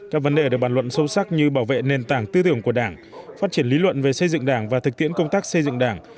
các vấn đề được bàn luận sâu sắc như bảo vệ nền tảng tư tưởng của đảng phát triển lý luận về xây dựng đảng và thực tiễn công tác xây dựng đảng